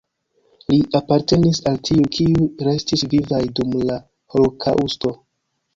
Li apartenis al tiuj, kiuj restis vivaj dum la holokaŭsto.